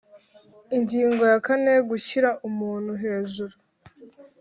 Ingingo ya kane Gushyira umuntu hejuru